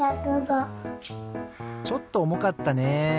ちょっとおもかったね。